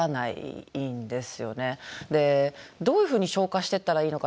どういうふうに消化していったらいいのかなって。